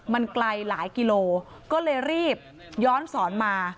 มันไกลหลายกิโลก็เลยรีบย้อนสอนมา